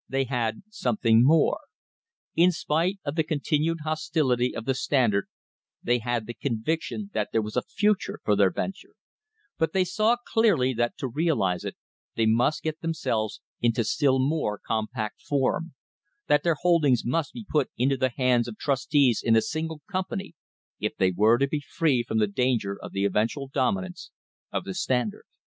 They had something more. In spite of the continued hostility of the Standard they had the conviction that there was a future for their venture; but they saw clearly that to realise it they must get themselves into still more compact form that their holdings must be put into the hands of trustees in a single company if they were to be free from the danger of the eventual dominance of the Standard.